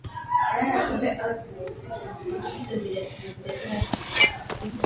Kuna upangaji mkakati wa pwani na bahari na usimamizi wa bahari